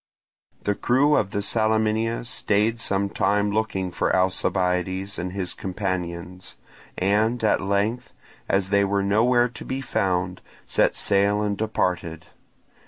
The crew of the Salaminia stayed some time looking for Alcibiades and his companions, and at length, as they were nowhere to be found, set sail and departed.